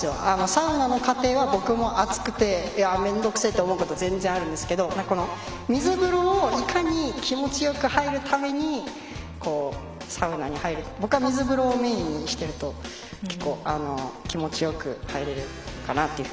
サウナの過程は、僕も暑くて面倒くさいって思うこと全然あるんですけどこの水風呂をいかに気持ちよく入るためにサウナに入るって僕は水風呂メインにしていると気持ちよくは入れるかなと。